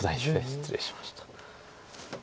失礼しました。